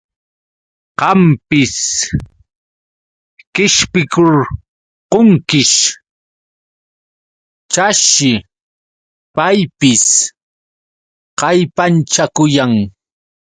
Qampis qishpirqunkish, chashi paypis kallpanchakuyan.